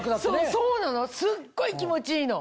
そうなのすっごい気持ちいいの。